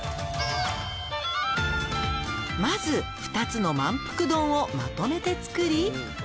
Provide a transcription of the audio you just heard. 「まず２つのまんぷく丼をまとめて作り